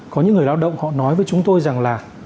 có những người lao động họ nói với chúng tôi rằng là